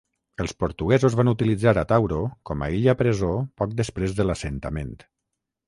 Els portuguesos van utilitzar Atauro com a illa presó poc després de l'assentament.